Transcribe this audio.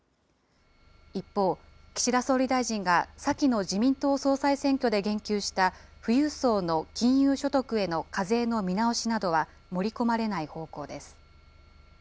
一方、岸田総理大臣が先の自民党総裁選挙で言及した、富裕層の金融所得への課税の見直しなどは盛り込まれない方向です。